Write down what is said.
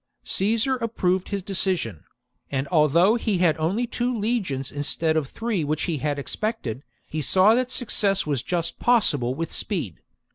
Caesar approved his decision ; and al though he had only two legions instead of the three which he had expected, he saw that suc cess was just possible with speed.